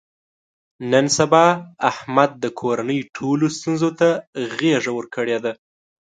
نن سبا احمد د کورنۍ ټولو ستونزو ته غېږه ورکړې ده.